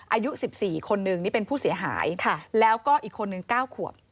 อายุ๑๔คนหนึ่งนี่เป็นผู้เสียหายแล้วก็อีกคนนึง๙ขวบ